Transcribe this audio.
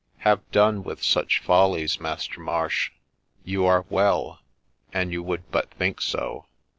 ' Have done with such follies, Master Marsh. You are well, an you would but think so.